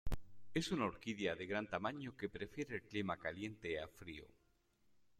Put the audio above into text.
Es una orquídea de gran tamaño que prefiere el clima caliente a frío.